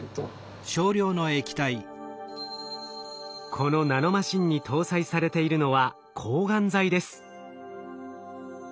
このナノマシンに搭載されているのは抗がん剤です。